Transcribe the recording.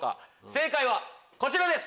正解はこちらです。